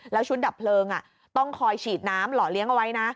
แล้วชุดดับเพลิงต้องคอยฉีดน้ำหล่อเลี้ยงเอาไว้นะ